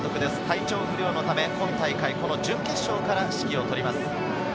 体調不良のため、今大会は準決勝から指揮を執ります。